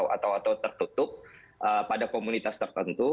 atau tertutup pada komunitas tertentu